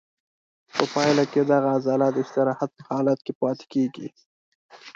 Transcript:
په پایله کې دغه عضله د استراحت په حالت کې پاتې کېږي.